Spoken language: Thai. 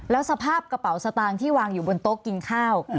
แล้วสภาพกระเป๋าสตางค์ที่วางอยู่บนโต๊ะกินข้าว